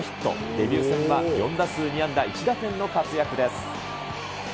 デビュー戦は４打数２安打１打点の活躍です。